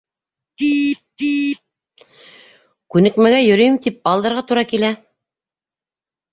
Күнекмәгә йөрөйөм тип алдарға тура килә.